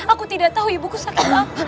aku tidak tahu ibuku sakit